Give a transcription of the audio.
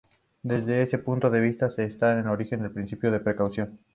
Desde ese punto de vista, se está en el origen del Principio de precaución.